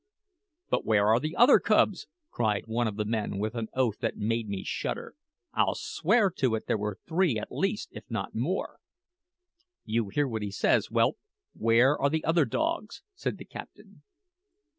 "But where are the other cubs?" cried one of the men with an oath that made me shudder. "I'll swear to it there were three at least, if not more." "You hear what he says, whelp: where are the other dogs?" said the captain.